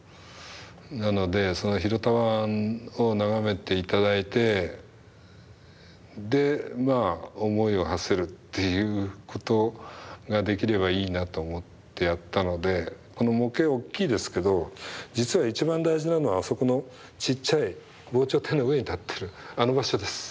なのでその広田湾を眺めて頂いてでまあ思いをはせるっていうことができればいいなと思ってやったのでこの模型大きいですけど実は一番大事なのはあそこのちっちゃい防潮堤の上に立ってるあの場所です。